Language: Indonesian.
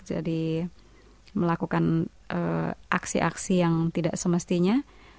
jadi melakukan aksi aksi yang tidak semestinya